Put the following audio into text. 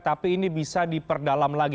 tapi ini bisa diperdalam lagi